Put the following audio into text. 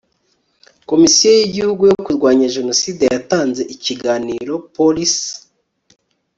Komisiyo y Igihugu yo Kurwanya Jenoside yatanze ikiganiro Policy